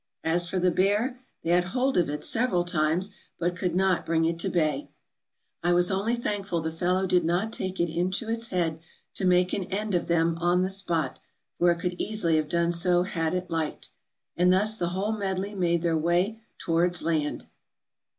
As for the bear, they had hold of it several times, but could not bring it to bay. I was only thankful the fellow did not take it into its head to make an end of them on the spot, for it could easily have done so had it liked. And thus the whole medley made their way towards land!"